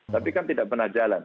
tapi kan tidak pernah jalan